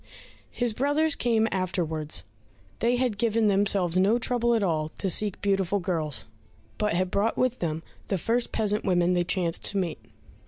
His brothers came afterwards; they had given themselves no trouble at all to seek beautiful girls, but had brought with them the first peasant women they chanced to meet.